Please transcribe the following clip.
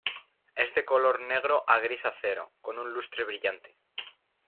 Es de color negro a gris acero con un lustre brillante.